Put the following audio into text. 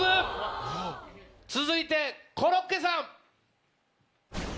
続いてコロッケさん。